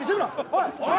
おい！